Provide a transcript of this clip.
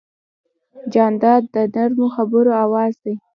جانداد د نرمو خبرو آواز دی.